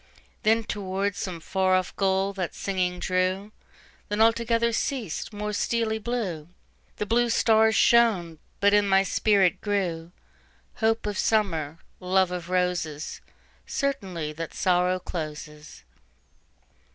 Then toward some far off goal that singing drew; Then altogether ceas'd; more steely blueThe blue stars shone; but in my spirit grewHope of Summer, love of Roses, Certainty that Sorrow closes.